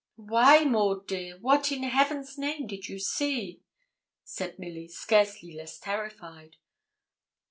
'Why, Maud dear, what, in Heaven's name, did you see?' said Milly, scarcely less terrified.